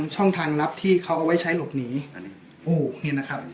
ช่องทางลับที่เขาเอาไว้ใช้หลบหนีเนี่ยนะครับ